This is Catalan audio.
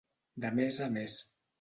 De més a més.